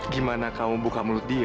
gimana kamu buka mulut dia